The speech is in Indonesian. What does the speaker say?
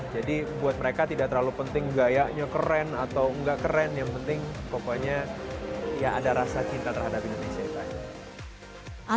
jadi buat mereka tidak terlalu penting gayanya keren atau enggak keren yang penting pokoknya ya ada rasa cinta terhadap indonesia